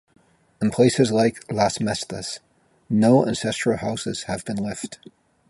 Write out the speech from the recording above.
In places like Las Mestas no ancestral houses have been left.